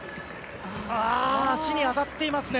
足に当たっていますね。